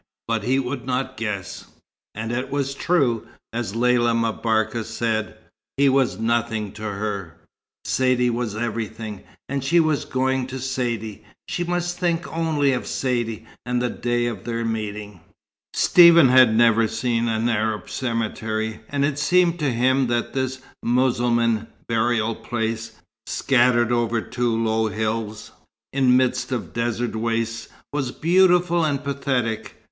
But he would not guess. And it was true, as Lella M'Barka said, he was nothing to her. Saidee was everything. And she was going to Saidee. She must think only of Saidee, and the day of their meeting. Stephen had never seen an Arab cemetery; and it seemed to him that this Mussulman burial place, scattered over two low hills, in the midst of desert wastes, was beautiful and pathetic.